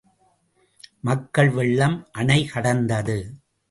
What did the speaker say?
மக்கள் வெள்ளம் அணைகடந்தது.